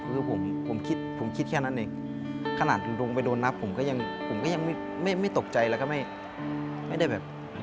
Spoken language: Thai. คือผมคิดผมคิดแค่นั้นเองขนาดลงไปโดนนับผมก็ยังผมก็ยังไม่ตกใจแล้วก็ไม่ได้แบบ